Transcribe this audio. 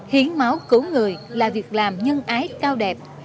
hiến máu cứu người là việc làm nhân ái cao đẹp